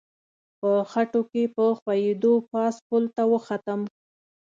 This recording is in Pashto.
په خټو کې په ښویېدو پاس پل ته وختم.